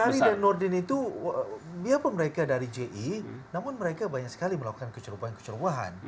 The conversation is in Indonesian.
asari dan nordin itu walaupun mereka dari ji namun mereka banyak sekali melakukan kecerobohan kecerobohan